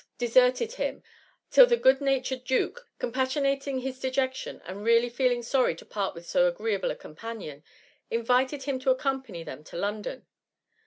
167 deserted him, till the good natured duke com passionating his dejection, and really feeling sorry to part with so agreeable a companion, invited him to accompany them to* London.